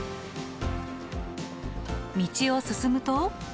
道を進むと。